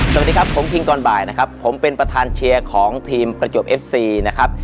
สวัสดีครับผมคิงก่อนบ่ายนะครับผมเป็นประธานเชียร์ของทีมประจวบเอฟซีนะครับ